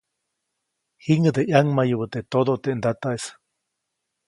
Jiŋʼäde ʼyaŋmayubä teʼ todo teʼ ndataʼis.